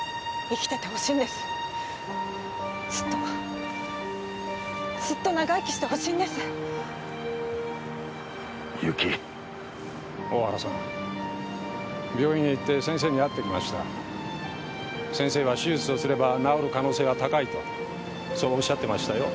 生きててほしいんですずっとずっと長生きしてほしいんです友紀大原さん病院へ行って先生に会ってきました先生は手術をすれば治る可能性が高いとそうおっしゃってましたよ